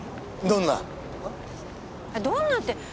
どんなって。